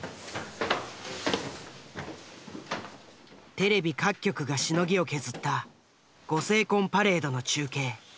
テレビ各局がしのぎを削ったご成婚パレードの中継。